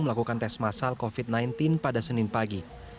melakukan tes masal covid sembilan belas pada senin pagi